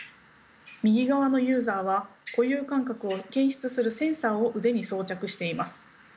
右側のユーザーは固有感覚を検出するセンサーを腕に装着しています。